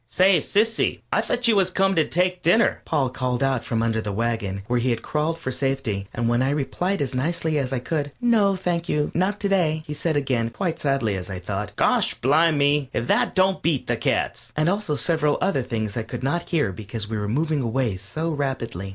"Say, Sissy, I thought you was comin' to take dinner," Pop called out from under the wagon, where he had crawled for safety, and when I replied as nicely as I could, "No, thank you, not to day," he said again, quite sadly as I thought, "Gosh blim me, if that don't beat the cats!" and also several other things I could not hear because we were moving away so rapidly.